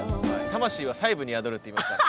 魂は細部に宿るっていいますからね。